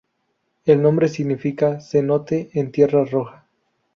El nombre significa cenote en tierra roja.